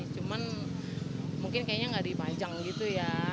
cuman mungkin kayaknya nggak di panjang gitu ya